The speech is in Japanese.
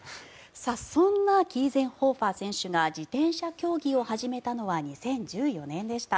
そんなキーゼンホーファー選手が自転車競技を始めたのは２０１４年でした。